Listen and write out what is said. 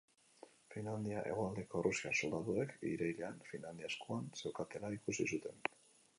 Finlandia hegoaldeko errusiar soldaduek, irailean, Finlandia eskuan zeukatela ikusi zuten.